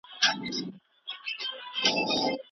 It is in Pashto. که خویندې مکتب ته لاړې شي نو جهالت به نه وي.